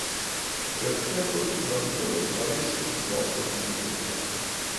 Per secoli la vita del paese si svolse tranquilla.